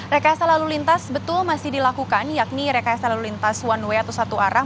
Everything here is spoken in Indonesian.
rekayasa lalu lintas betul masih dilakukan yakni rekayasa lalu lintas one way atau satu arah